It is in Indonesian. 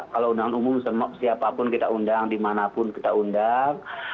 kalau undangan umum siapapun kita undang dimanapun kita undang